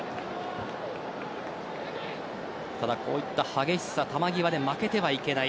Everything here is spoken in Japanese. ただ、こういった激しさ球際で負けてはいけない。